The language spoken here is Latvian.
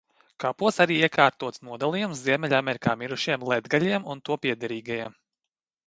Kapos arī iekārtots nodalījums Ziemeļamerikā mirušiem letgaļiem un to piederīgiem.